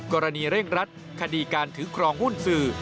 เร่งรัดคดีการถือครองหุ้นสื่อ